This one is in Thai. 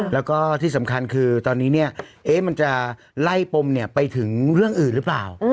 และก็ที่สำคัญคือตอนนี้เนี่ยเอ๊ะมันจะไล่ปมไปถึงเรื่องอื่นรึเปล่า